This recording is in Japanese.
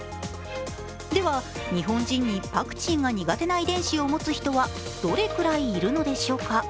では、日本人にパクチーが苦手な遺伝子を持つ人はどれくらいいるのでしょうか。